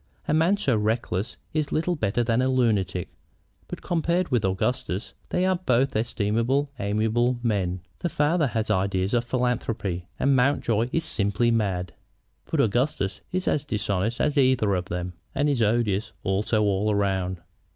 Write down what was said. A man so reckless is little better than a lunatic. But compared with Augustus they are both estimable, amiable men. The father has ideas of philanthropy, and Mountjoy is simply mad. But Augustus is as dishonest as either of them, and is odious also all round."